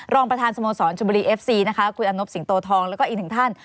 รองประธานสโมสรชุบุรีเอฟซีนะคะคุณอำนบสิงโตทองแล้วก็อีกหนึ่งท่าน